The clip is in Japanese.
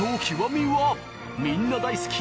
みんな大好き！